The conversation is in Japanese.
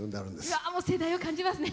うわもう世代を感じますね。